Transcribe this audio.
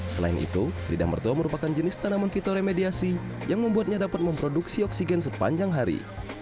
selain itu frida mertua merupakan jenis tanaman fitur remediasi yang membuatnya dapat memproduksi oksigen sepanjang hari